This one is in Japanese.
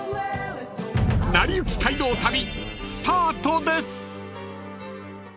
［『なりゆき街道旅』スタートです］